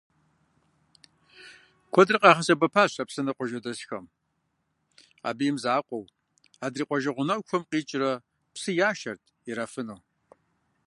Куэдрэ къагъэсэбэпащ а псынэр къуажэдэсхэм, абы имызакъуэу, адрей къуажэ гъунэгъухэм къикӏыурэ псы яшэрт ирафыну.